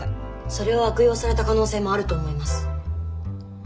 それを悪用された可能性もあると思います。